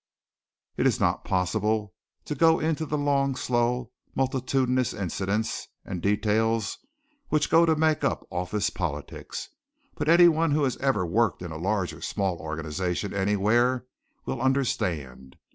It is not possible to go into the long, slow multitudinous incidents and details which go to make up office politics, but anyone who has ever worked in a large or small organization anywhere will understand.